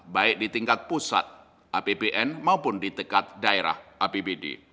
baik di tingkat pusat apbn maupun di tingkat daerah apbd